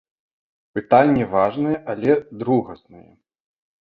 Пытанне важнае, але другаснае.